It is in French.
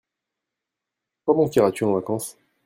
Quand donc iras-tu en vacances ?